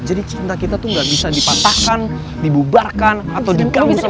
jadi cinta kita tuh gak bisa dipatahkan dibubarkan atau diganggu sama orang lain